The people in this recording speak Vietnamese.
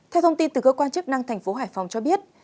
theo thông tin từ cơ quan chức năng tp hải phòng cho biết